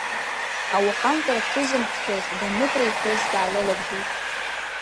Аухантәарак ҿызымҭцәоз Дамытра иԥҳәыс даалылабжьеит.